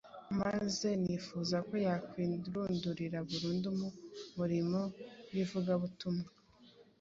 maze yifuza ko yakwirundurira burundu mu murimo w’ivugabutumwa.